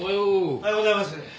おはようございます。